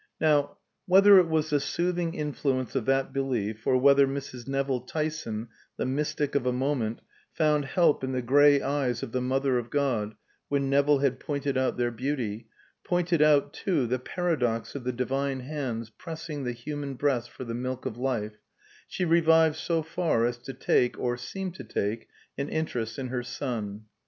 Now, whether it was the soothing influence of that belief, or whether Mrs. Nevill Tyson, the mystic of a moment, found help in the gray eyes of the mother of God when Nevill had pointed out their beauty, pointed out, too, the paradox of the divine hands pressing the human breasts for the milk of life, she revived so far as to take, or seem to take, an interest in her son.